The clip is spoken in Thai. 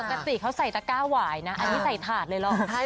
ปกติเค้าให้ใส่ตะกะไหวไหนเลยใส่ผัดเลยเหรอ